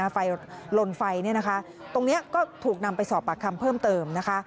ไฟลนไฟตรงนี้ก็ถูกนำไปสอบปากคำเพิ่มเติมนะคะ